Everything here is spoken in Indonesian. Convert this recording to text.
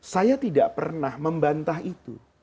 saya tidak pernah membantah itu